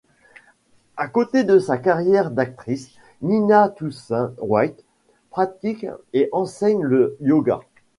À côté de sa carrière d’actrice, Nina Tousaint-White pratique et enseigne le yoga.